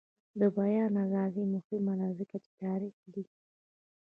د بیان ازادي مهمه ده ځکه چې تاریخ لیکي.